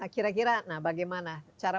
kira kira nah bagaimana cara